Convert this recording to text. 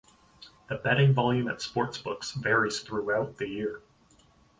The betting volume at sportsbooks varies throughout the year.